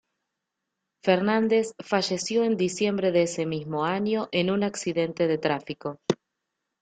Fernández falleció en diciembre de ese mismo año en un accidente de tráfico.